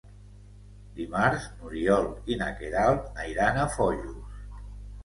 Dimarts n'Oriol i na Queralt iran a Foios.